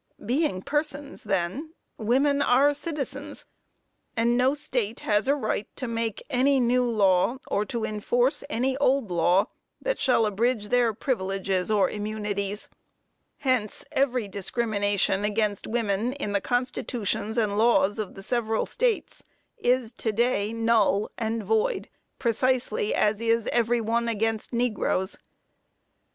Being persons, then, women are citizens, and no state has a right to make any new law, or to enforce any old law, that shall abridge their privileges or immunities. Hence, every discrimination against women in the constitutions and laws of the several states, is to day null and void, precisely as is every one against negroes.